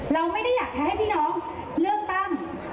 เราไม่ได้อยากจะให้พี่น้องเลือกตั้ง